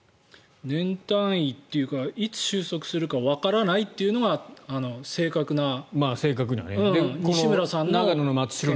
年単位っていうかいつ収束するのかわからないというのが正確な西村さんの見解。